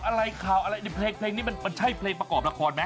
อะไรข่าวอะไรในเพลงนี้มันใช่เพลงประกอบละครไหม